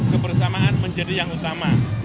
kebersamaan menjadi yang utama